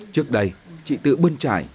trước đây chị tự bơn trải